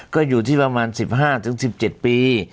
ก็อยู่ที่ประมาณสิบห้าถึงสิบเจ็ดปี